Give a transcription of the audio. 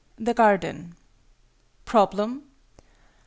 THE GARDEN. _Problem.